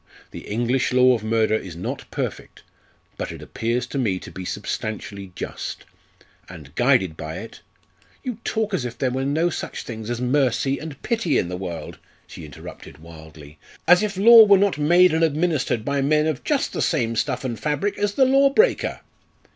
The English law of murder is not perfect, but it appears to me to be substantially just, and guided by it " "You talk as if there were no such things as mercy and pity in the world," she interrupted wildly; "as if law were not made and administered by men of just the same stuff and fabric as the lawbreaker!"